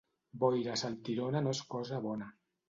Boira saltirona no és cosa bona.